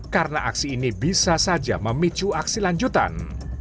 karena aksi ini bisa saja memicu aksi lanjutan